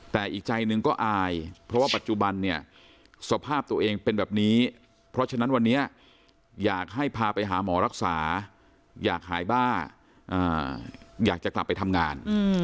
แต่อีกใจหนึ่งก็อายเพราะว่าปัจจุบันเนี่ยสภาพตัวเองเป็นแบบนี้เพราะฉะนั้นวันนี้อยากให้พาไปหาหมอรักษาอยากหายบ้าอยากจะกลับไปทำงาน